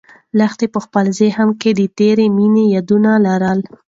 لښتې په خپل ذهن کې د تېرې مېنې یادونه لرل.